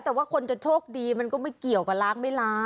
แต่ว่าคนจะโชคดีมันก็ไม่เกี่ยวกับล้างไม่ล้าง